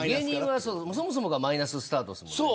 そもそもがマイナススタートですもんね。